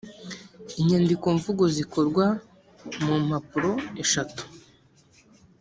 inyandikomvugo zikorwa mu mpapuro eshatu